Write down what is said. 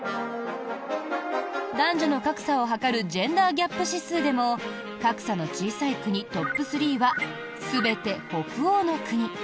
男女の格差を測るジェンダー・ギャップ指数でも格差の小さい国トップ３は全て北欧の国。